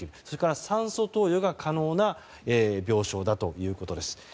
それから酸素投与が可能な病床だということです。